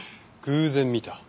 偶然見た？